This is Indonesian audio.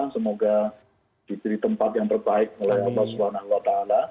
semoga diberi tempat yang terbaik oleh allah swt